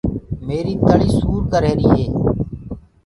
ميريٚ تݪيٚ سُور ڪر رهيري هي۔